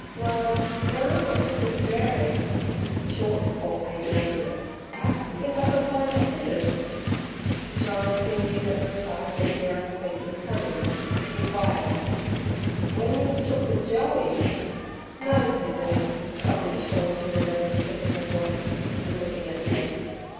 "Well, w'en I wus took with Drary" (short for Adrarian) "think I could fin' ther sissers?" Jyne, who knew that the recital of a daring feat was coming, inquired, "W'en yer wus took with Joey?" "No," said Liz, stopping short with a nervous click in her voice, and looking at Ned.